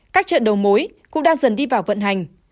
các chợ đầu mối cũng đang dần đi vào vận hành